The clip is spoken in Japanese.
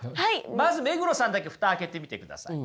まず目黒さんだけ蓋開けてみてください。